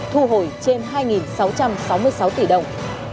thu hồi trên hai sáu trăm sáu mươi sáu tỷ đồng